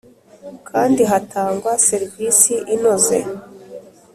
kandi hatangwa serivisi inoze,